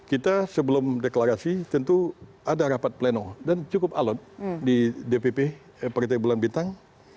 kita sebelum deklarasi tentu ada rapat pleno dan cukup alot di dpp partai bulan bintang